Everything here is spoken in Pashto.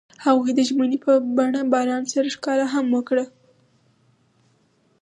هغوی د ژمنې په بڼه باران سره ښکاره هم کړه.